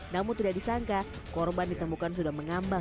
namun tidak disangka korban ditemukan sudah mengambang